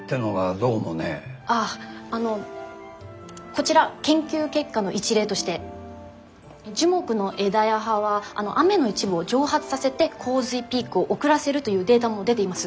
あああのこちら研究結果の一例として樹木の枝や葉は雨の一部を蒸発させて洪水ピークを遅らせるというデータも出ています。